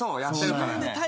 やってるからね。